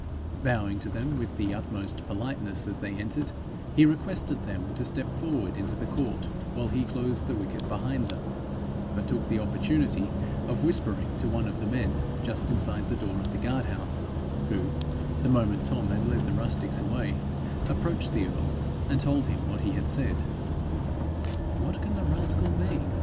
Bowing to them with the utmost politeness as they entered, he requested them to step forward into the court while he closed the wicket behind them, but took the opportunity of whispering to one of the men just inside the door of the guardhouse, who, the moment Tom had led the rustics away, approached the earl, and told him what he had said. 'What can the rascal mean?'